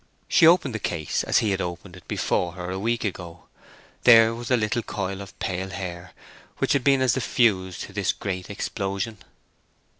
She opened the case as he had opened it before her a week ago. There was the little coil of pale hair which had been as the fuze to this great explosion.